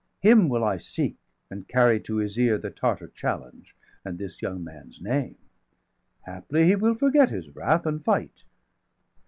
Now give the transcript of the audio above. Him will I seek, and carry to his ear 180 The Tartar challenge, and this young man's name. Haply he will forget his wrath, and fight.